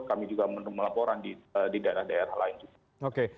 kami juga menerima laporan di daerah daerah lain juga